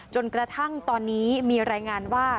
จนกระทั่งตอนนี้มีรายงานว่า